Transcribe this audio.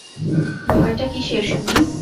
ভয়টা কিসের শুনি?